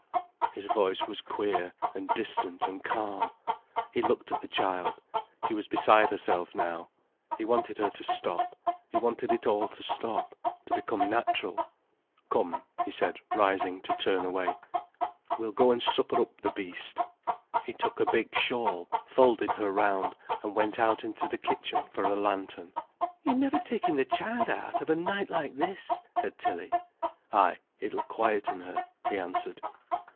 His voice was queer and distant and calm. He looked at the child. She was beside herself now. He wanted her to stop, he wanted it all to stop, to become natural. "Come," he said, rising to turn away, "we'll go an' supper up the beast." He took a big shawl, folded her round, and went out into the kitchen for a lantern. "You're never taking the child out, of a night like this," said Tilly. "Ay, it'll quieten her," he answered.